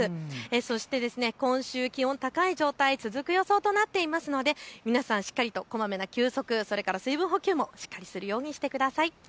そして今週、気温高い状態続く予想となっていますので皆さんしっかりとこまめな休息、水分補給もしっかりするようにしてください。